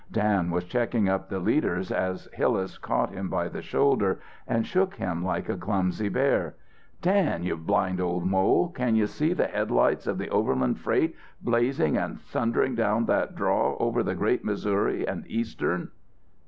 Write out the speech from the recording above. Dan was checking up the leaders as Hillas caught him by the shoulder and shook him like a clumsy bear. "Dan, you blind old mole, can you see the headlight of the Overland Freight blazing and thundering down that draw over the Great Missouri and Eastern?"